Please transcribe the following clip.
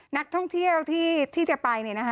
นักท่องเที่ยวที่จะไป